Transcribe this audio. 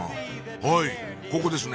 はいここですね